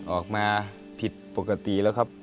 ออกมาผิดปกติแล้วครับ